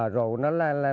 rồi nó lan lan tròn